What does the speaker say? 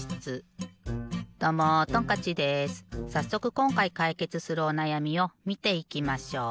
さっそくこんかいかいけつするおなやみをみていきましょう。